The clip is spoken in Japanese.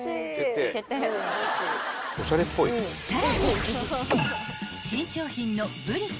［さらに］